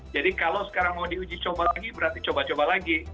jadi kalau sekarang mau diuji coba lagi berarti coba coba lagi